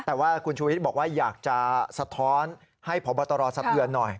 แต่ว่าคุณชูวิทย์บอกว่าอยากจะสะท้อนให้พบตรสะเทือนหน่อย